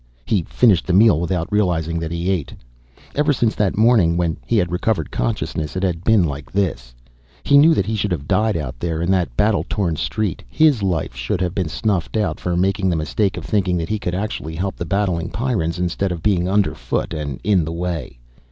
He finished the meal without realizing that he ate. Ever since that morning, when he had recovered consciousness, it had been like this. He knew that he should have died out there in that battle torn street. His life should have been snuffed out, for making the mistake of thinking that he could actually help the battling Pyrrans. Instead of being underfoot and in the way.